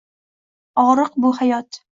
Og‘riq bu — hayot